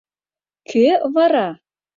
— Кӧ вара?